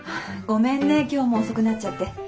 ごめんね今日も遅くなっちゃって。